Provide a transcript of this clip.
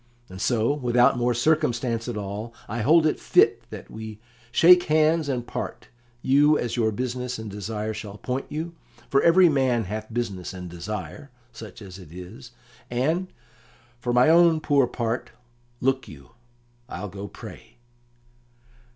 "And so, without more circumstance at all, I hold it fit that we shake hands and part, you as your business and desire shall point you for every man hath business and desire, such as it is and, for my own poor part, look you, I'll go pray."